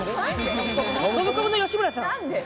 ノブコブの吉村さん。